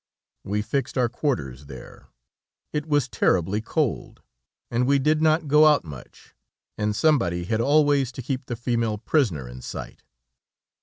We fixed our quarters there. It was terribly cold, and we did not go out much, and somebody had always to keep the female prisoner in sight.